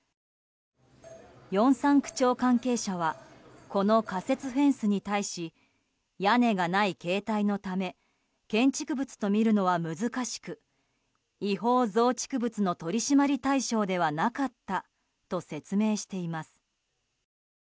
ヨンサン区庁関係者はこの仮設フェンスに対し屋根がない形態のため建築物とみるのは難しく違法増築物の取り締まり対象ではなかったと説明しています。